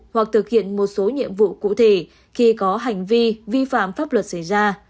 hoặc thực hiện một số nhiệm vụ cụ thể khi có hành vi vi phạm pháp luật xảy ra